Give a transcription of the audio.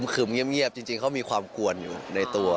คือเงียบจริงเขามีความกวนอยู่ในตัว